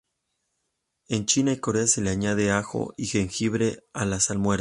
En China y Corea se le añade ajo y jengibre a la salmuera.